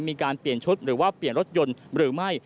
มีการเปลี่ยนชุดหรือว่าเปลี่ยนรถยนต์หรือไม่